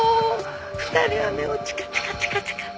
２人は目をチカチカチカチカ。